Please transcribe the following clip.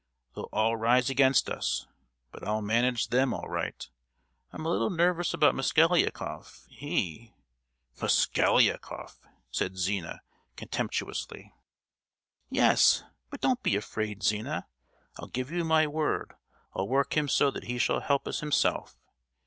They'll all rise against us; but I'll manage them all right! I'm a little nervous about Mosgliakoff. He——" "Mosgliakoff!" said Zina, contemptuously. "Yes, but don't you be afraid, Zina! I'll give you my word I'll work him so that he shall help us himself.